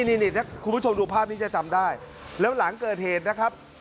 นี่คุณผู้ชมดูภาพนี้จะจำได้แล้วหลังเกิดเหตุนะครับ